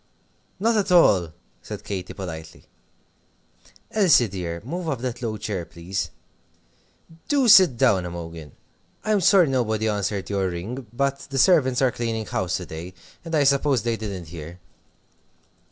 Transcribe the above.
"Not at all," said Katy, politely. "Elsie, dear, move up that low chair, please. Do sit down, Imogen! I'm sorry nobody answered your ring, but the servants are cleaning house to day, and I suppose they didn't hear."